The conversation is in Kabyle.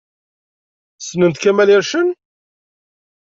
Ssnent Kamel Ircen?